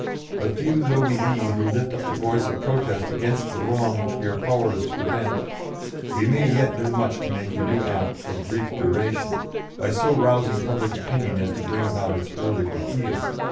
But few though we be who lift up the voice of protest against the wrong which we are powerless to prevent, we may yet do much to make the new Act of brief duration, by so rousing public opinion as to bring about its early repeal.